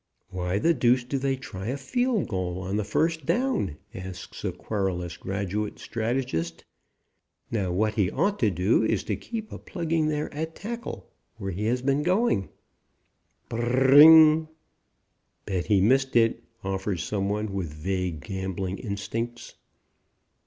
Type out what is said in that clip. "Why the deuce do they try a field goal on the first down?" asks a querulous graduate strategist. "Now, what he ought to do is to keep a plugging there at tackle, where he has been going " Br r r r r r r r r r r r r r r r r r! "Bet he missed it!" offers some one with vague gambling instincts.